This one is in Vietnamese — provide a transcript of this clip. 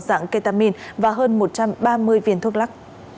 dạng ketamin và hơn một trăm ba mươi viên thuốc lắc